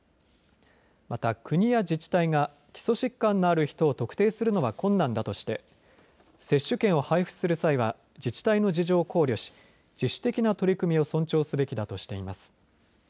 また国や自治体が基礎疾患のある人を特定するのは困難だとして接種券を配布する際は自治体の事情を考慮し自主的な取り組みを尊重すべきだとしています。